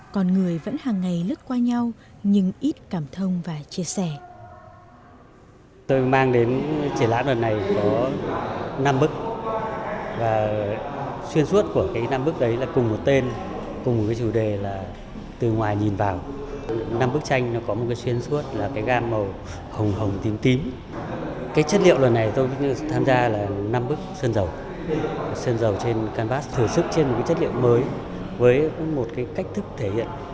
còn người vẫn hàng ngày lứt qua nhau nhưng ít cảm thông và chia sẻ